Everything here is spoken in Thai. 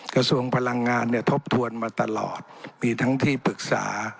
กระทรวงพลังงานเนี่ยทบทวนมาตลอดมีทั้งที่ปรึกษา